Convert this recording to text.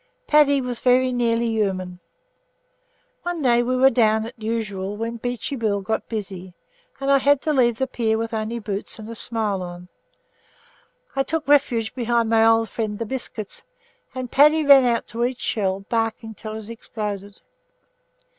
Paddy was very nearly human. One day we were down as usual when Beachy Bill got busy, and I had to leave the pier with only boots and a smile on. I took refuge behind my old friends the biscuits, and Paddy ran out to each shell, barking until it exploded.